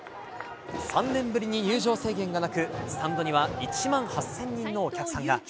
３年ぶりに入場制限がなく、スタンドには１万８０００人のお客さんが。